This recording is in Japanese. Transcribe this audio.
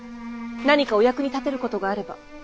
何かお役に立てることがあれば。